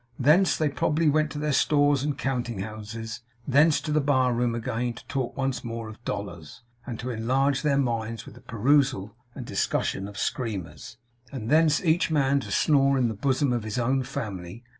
Thence they probably went to their stores and counting houses; thence to the bar room again, to talk once more of dollars, and enlarge their minds with the perusal and discussion of screamers; and thence each man to snore in the bosom of his own family.